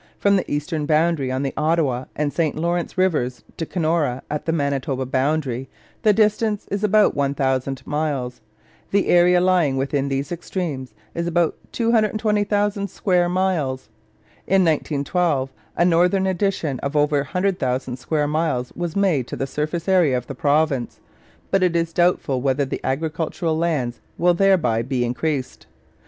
From the eastern boundary on the Ottawa and St Lawrence Rivers to Kenora at the Manitoba boundary, the distance is about 1000 miles. The area lying within these extremes is about 220,000 square miles. In 1912 a northern addition of over 100,000 square miles was made to the surface area of the province, but it is doubtful whether the agricultural lands will thereby be increased.